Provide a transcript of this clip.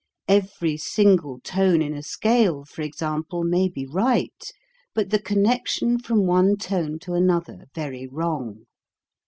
Every single tone in a scale, for example, may be right but the con nection from one tone to another very wrong.